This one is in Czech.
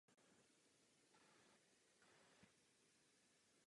Šest jejich členů bylo popraveno a král Konstantin byl donucen opět abdikovat.